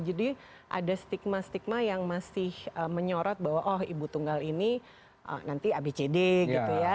jadi ada stigma stigma yang masih menyorot bahwa oh ibu tunggal ini nanti abcd gitu ya